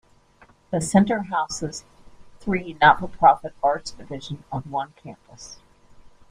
The center houses three not-for-profit arts divisions on one campus.